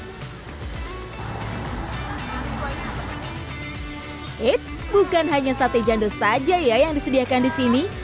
eits bukan hanya sate jando saja ya yang disediakan di sini